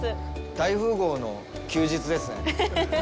大富豪の休日ですね。